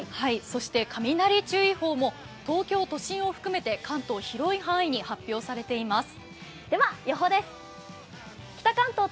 そして雷注意報も東京都心を含めて関東広い範囲で発表されています。